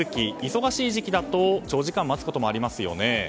忙しい時期だと長時間待つこともありますよね。